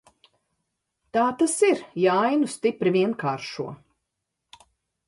Tā tas ir, ja ainu stipri vienkāršo.